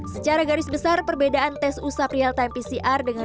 secara garis besar perbedaan tes usap real time pcr dengan